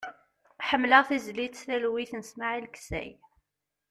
Ḥemmleɣ tizlit "Talwit" n Smail Kessay.